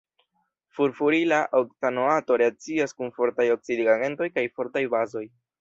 Furfurila oktanoato reakcias kun fortaj oksidigagentoj kaj fortaj bazoj.